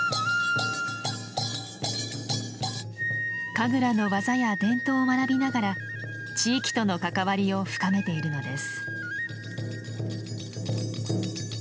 神楽の技や伝統を学びながら地域との関わりを深めているのです。